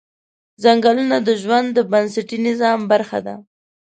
ځنګلونه د ژوند د بنسټي نظام برخه ده